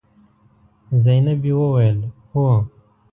زينبې وويل: هو.